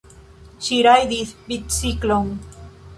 Ŝi rajdis biciklon.